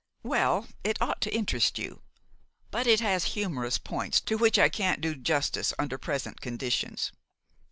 "Well, it ought to interest you. But it has humorous points to which I can't do justice under present conditions.